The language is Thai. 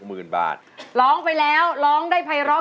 อู่แล้วร้องได้ไพร้